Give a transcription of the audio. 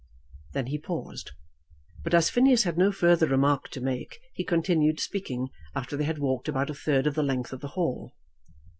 Then he paused; but as Phineas had no further remark to make, he continued speaking after they had walked about a third of the length of the hall.